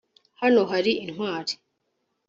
hano hari intwari